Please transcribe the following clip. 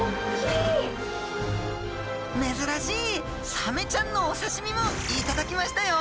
珍しいサメちゃんのお刺身も頂きましたよ！